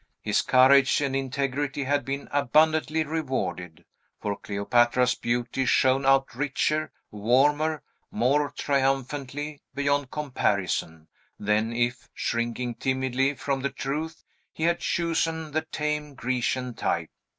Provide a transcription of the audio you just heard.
His courage and integrity had been abundantly rewarded; for Cleopatra's beauty shone out richer, warmer, more triumphantly beyond comparison, than if, shrinking timidly from the truth, he had chosen the tame Grecian type.